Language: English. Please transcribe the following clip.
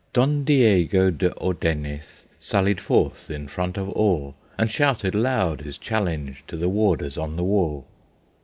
Don Diego de Ordenez Sallied forth in front of all, And shouted loud his challenge To the warders on the wall.